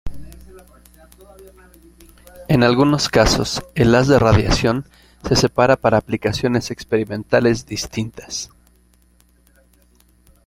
En algunos casos, el haz de radiación se separa para aplicaciones experimentales distintas.